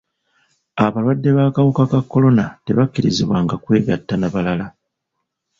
Abalwadde b'akawuka ka kolona tebakkirizibwanga kwegatta na balala.